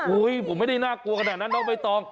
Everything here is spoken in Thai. อุ้ยผมไม่ได้น่ากลัวแน่นั้นเนอะไม่ต้อง